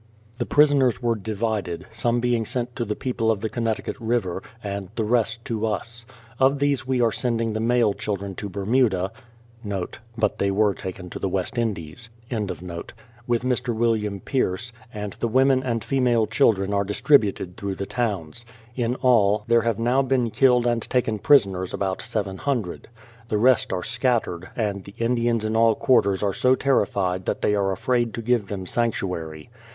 The prisoners were divided, some being sent to the people of the Connecticut River, and the rest to us. Of these we are sending the male children to Bermuda* with Mr. William Pierce, and the women and female children are distributed through the towns. In all, there have now been killed and taken prisoners about 700. The rest are scattered, and the Indians in all quarters are so terri fied that they are afraid to give them sanctuary.